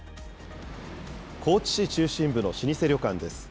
高知市中心部の老舗旅館です。